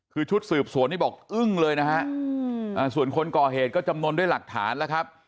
คือชุดสืบสวนนี่บอกอึ้งเลยนะฮะส่วนคนก่อเหตุก็จำนวนด้วยหลักฐานแล้วครับ